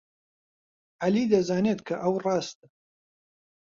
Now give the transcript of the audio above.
عەلی دەزانێت کە ئەو ڕاستە.